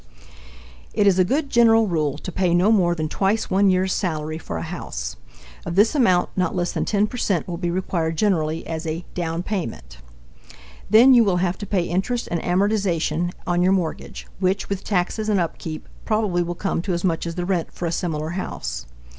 It is a good general rule to pay no more than twice one year's salary for a house; of this amount, not less than 10 percent will be required generally as a "down payment." Then you will have to pay interest and amortization on your mortgage, which, with taxes and upkeep, probably will come to as much as the rent for a similar house.